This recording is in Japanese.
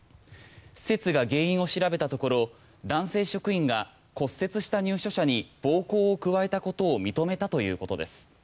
施設が原因を調べたところ男性職員が骨折した入所者に暴行を加えたことを認めたということです。